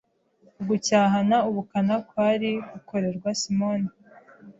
Ugucyahana ubukana kwari gukorerwa Simoni